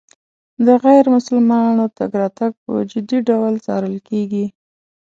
د غیر مسلمانانو تګ راتګ په جدي ډول څارل کېږي.